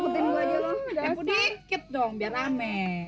tepu dikit dong biar rame